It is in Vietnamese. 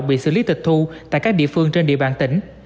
bị xử lý tịch thu tại các địa phương trên địa bàn tỉnh